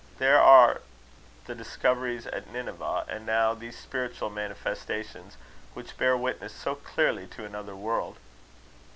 There are the discoveries at Nineveh; and now these Spiritual Manifestations, which bear witness so clearly to another world."